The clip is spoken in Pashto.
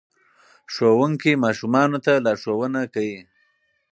ښوونکی ماشومانو ته لارښوونه کوي.